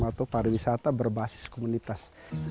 atau pariwisata berbasis komunitas